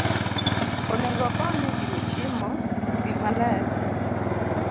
onego okony e chiwo chiemo, pi maler,